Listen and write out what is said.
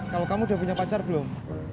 kalau kamu sudah punya pacar belum